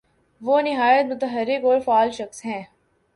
وہ نہایت متحرک اور فعال شخص ہیں۔